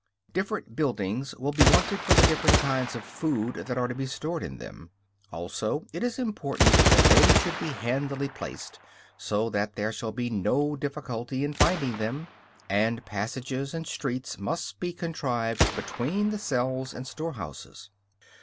Different buildings will be wanted for the different kinds of food that are to be stored in them; also it is important that they should be handily placed, so that there shall be no difficulty in finding them; and passages and streets must be contrived between the cells and store houses.